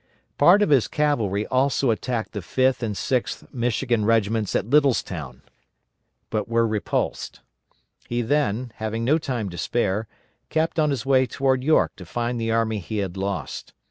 Part of his cavalry also attacked the 5th and 6th Michigan regiments at Littlestown, but were repulsed. He then, having no time to spare, kept on his way toward York to find the army he had lost.